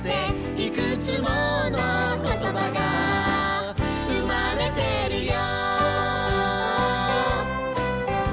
「いくつものことばがうまれてるよ」